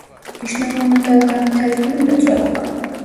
მნიშვნელოვნადაა განვითარებული მრეწველობა.